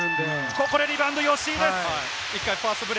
ここでリバウンド、吉井です。